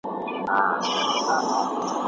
د کلدارو درمند نه دی چې تمام شي